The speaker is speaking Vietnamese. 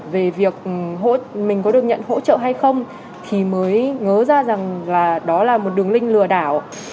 về việc mình có được nhận hỗ trợ hay không thì mới ngớ ra rằng là đó là một đường link lừa đảo